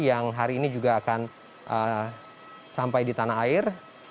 yang hari ini juga akan sampai di tanah air